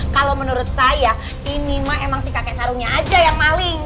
kalau menurut saya ini mah emang si kakek sarungnya aja yang maling